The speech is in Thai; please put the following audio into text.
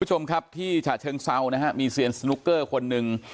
ทุกผู้ชมครับที่หกเชิงเชราดิบีนมีสเนื้อเลี่ยนสนุ๊กเค้าคนหนึ่ง